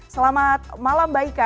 selamat malam mbak ika